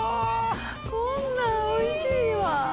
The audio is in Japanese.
こんなんおいしいわ。